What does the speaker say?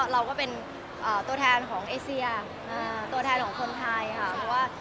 เราก็เป็นตัวแทนของเอเซียตัวแทนของคนไทยค่ะเพราะว่า